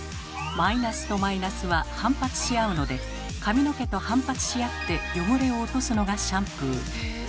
マイナスとマイナスは反発し合うので髪の毛と反発し合って汚れを落とすのがシャンプー。